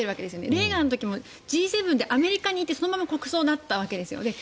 レーガンの時もＧ７でアメリカにいてそのまま国葬になったわけです。